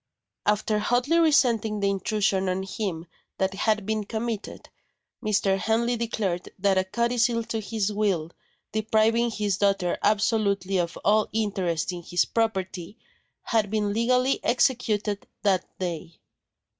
After hotly resenting the intrusion on him that had been committed, Mr. Henley declared that a codicil to his will, depriving his daughter absolutely of all interest in his property, had been legally executed that day.